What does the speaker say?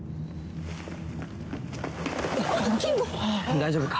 大丈夫か？